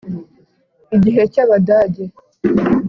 Igihe cy'Abadage